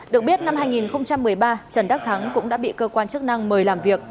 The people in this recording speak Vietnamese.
được biết năm hai nghìn một mươi ba trần đắc thắng cũng đã bị cơ quan chức năng mời làm việc